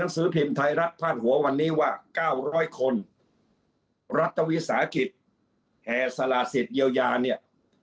สนาสิทธิ์เยียวยาเนี่ย